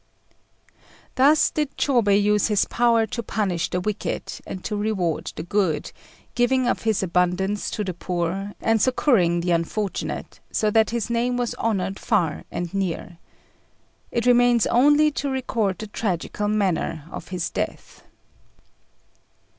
Thus did Chôbei use his power to punish the wicked, and to reward the good giving of his abundance to the poor, and succouring the unfortunate, so that his name was honoured far and near. It remains only to record the tragical manner of his death.